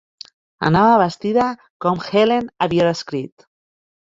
Anava vestida com Helene havia descrit.